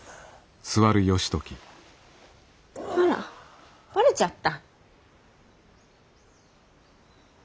あらばれちゃった。